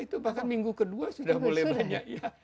itu bahkan minggu kedua sudah mulai banyak ya